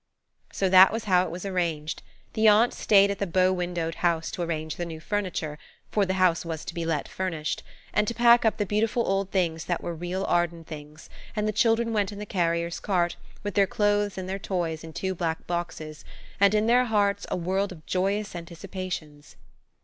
So that was how it was arranged. The aunt stayed at the bow windowed house to arrange the new furniture–for the house was to be let furnished–and to pack up the beautiful old things that were real Arden things, and the children went in the carrier's cart, with their clothes and their toys in two black boxes, and in their hearts a world of joyous anticipations.